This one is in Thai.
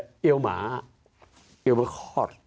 และอีวาคอล์ท